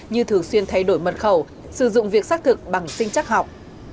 như thường xuyên thay đổi mật khẩu sử dụng việc xác thực bằng sinh chắc học